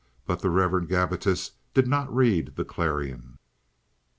. But the Rev. Gabbitas did not read The Clarion.